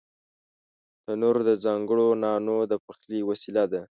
تنور د ځانگړو نانو د پخلي وسیله ده